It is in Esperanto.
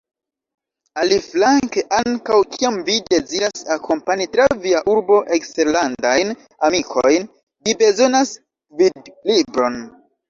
Aliflanke, ankaŭ kiam vi deziras akompani tra via urbo eksterlandajn amikojn, vi bezonas gvidlibron.